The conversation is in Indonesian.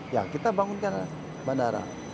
ya kita bangunkan bandara